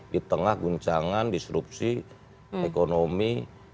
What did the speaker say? di tengah guncangan disrupsi ekonomi